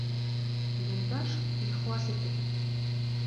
Юлдаш, ихлас итеп: